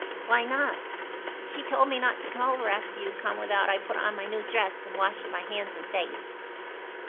"Why not?" "She told me not to come over after you come 'ithout I put on my new dress and washed my hands and face."